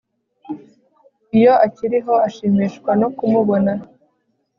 iyo akiriho, ashimishwa no kumubona